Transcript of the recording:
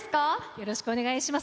よろしくお願いします。